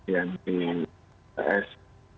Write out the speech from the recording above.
yang di s tiga